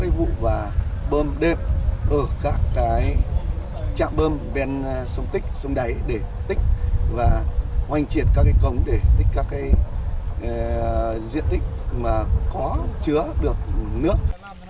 các vụ bơm đẹp ở các trạm bơm bên sông tích sông đáy để tích và hoành triệt các công để tích các diện tích mà có chứa được nước